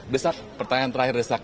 desak pertanyaan terakhir desak